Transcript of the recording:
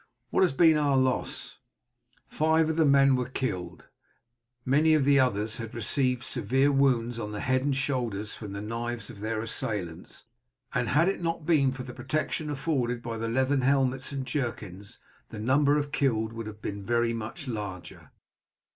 What has been our loss?" Five of the men were killed; many of the others had received severe wounds on the head and shoulders from the knives of their assailants, and had it not been for the protection afforded by the leathern helmets and jerkins the number of killed would have been very much larger.